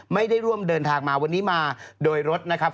ไม่ได้ร่วมเดินทางมาวันนี้มาโดยรถนะครับ